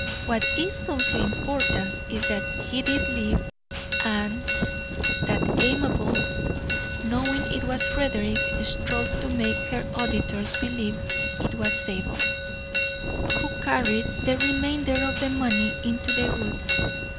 What is of importance is that he did leave it and that Amabel, knowing it was Frederick, strove to make her auditors believe it was Zabel, who carried the remainder of the money into the woods.